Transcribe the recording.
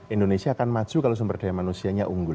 indonesia akan maju kalau sumber daya manusianya unggul